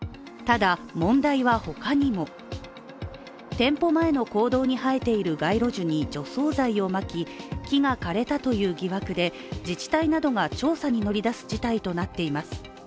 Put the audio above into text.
店舗前の公道に生えている街路樹に除草剤をまき木が枯れたという疑惑で自治体などが調査に乗り出す事態となっています。